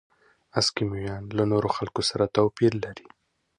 اسکیمویان له نورو خلکو سره توپیر لري.